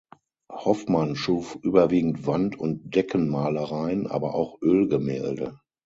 Hoffmann schuf überwiegend Wand- und Deckenmalereien, aber auch Ölgemälde.